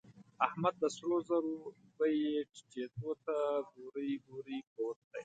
احمد د سرو زرو بيې ټيټېدو ته بوړۍ بوړۍ پروت دی.